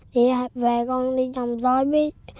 chị và con đi trồng hành